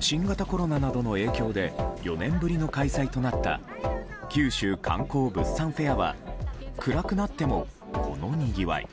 新コロナなどの影響で４年ぶりの開催となった九州観光・物産フェアは暗くなっても、このにぎわい。